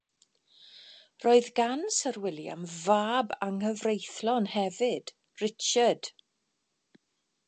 Roedd gan Syr William fab anghyfreithlon hefyd, Richard.